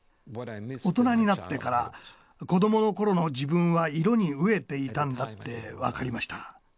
大人になってから子どもの頃の自分は色に飢えていたんだって分かりました。